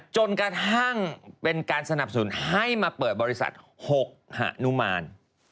จนกระทั่งเป็นการสนับสนุนให้มาเปิดบริษัท๖หานุมาน